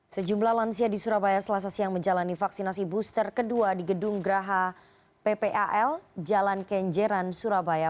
sejumlah lansia di surabaya selasa siang menjalani vaksinasi booster kedua di gedung graha ppal jalan kenjeran surabaya